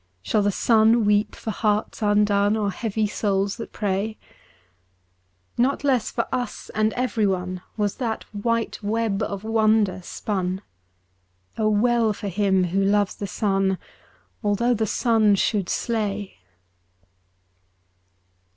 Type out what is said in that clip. Shall the sun weep for hearts undone Or heavy souls that pray ? Not less for us and everyone Was that white web of splendour spun ; well for him who loves the sun Although the sun should slay.